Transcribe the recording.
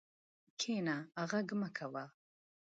کښېنه، غږ مه کوه.